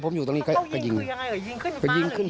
ผมเราอยู่เจ้าพี่ก็เห็นสี่ห้าครั้งแล้ว